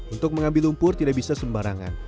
untuk mengambil lumpur tidak bisa sembarangan